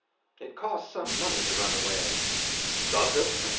It costs some money to run away. "Does it?